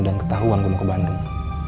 dan ketahuan gue mau ke bandung